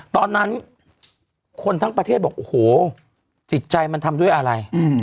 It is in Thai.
ตอนนั้นคนทั้งประเทศบอกโอ้โหจิตใจมันทำด้วยอะไร